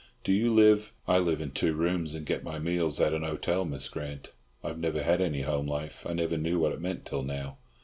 Do you live—" "I live in two rooms and get my meals at an hotel, Miss Grant. I have never had any home life. I never knew what it meant till now."